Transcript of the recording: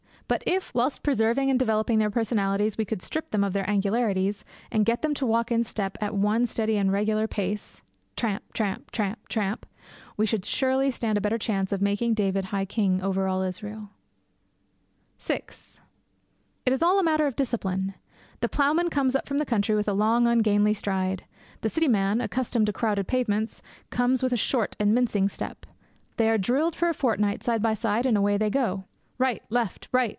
But if, whilst preserving and developing their personalities, we could strip them of their angularities, and get them to walk in step at one steady and regular pace tramp! tramp! tramp! tramp! we should surely stand a better chance of making David king over all Israel! VI It is all a matter of discipline. The ploughman comes up from the country with a long ungainly stride. The city man, accustomed to crowded pavements, comes with a short and mincing step. They are drilled for a fortnight side by side, and away they go. Right! Left! Right!